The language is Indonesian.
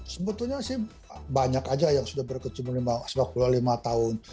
sebetulnya sih banyak aja yang sudah berkecimpung sepak bola lima tahun